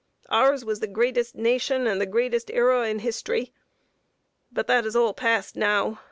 Ours was the greatest nation and the greatest era in history. But that is all past now.